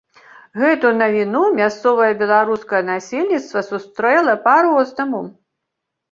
Гэту навіну мясцовае беларускае насельніцтва сустрэла па-рознаму.